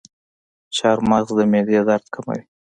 چارمغز د معدې درد کموي.